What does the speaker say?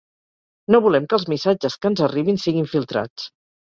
No volem que els missatges que ens arribin siguin filtrats.